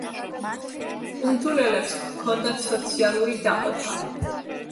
კუნძულელებს ჰქონდათ სოციალური დაყოფა.